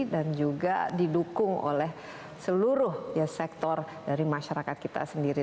dan juga didukung oleh seluruh ya sektor dari masyarakat kita sendiri